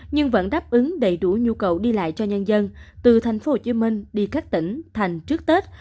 nhưng vẫn đáp ứng đầy đủ nhu cầu đi lại cho nhân dân từ tp hcm đi các tỉnh thành trước tết